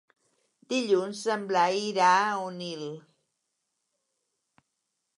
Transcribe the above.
Dilluns en Blai irà a Onil.